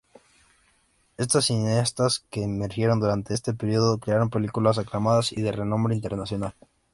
Estas cineastas, que emergieron durante este período, crearon películas aclamadas y de renombre internacional.